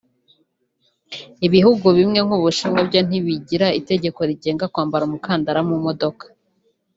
Ibihugu bimwe nk’u Bushinwa byo ntibigira itegeko rigenga kwambara umukandara mu modoka